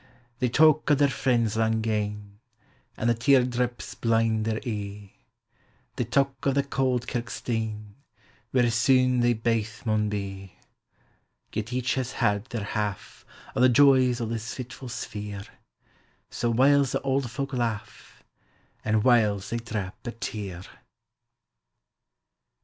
They talk o' their friends lang gane, An' the tear draps blin' their e'e; They talk o' the cauld kirk stane Where suue they baith maun be. Yet each has had their half O' the joys o' this fitful sphere, So, whiles the auld folk laugh, An' whiles they drap a tear!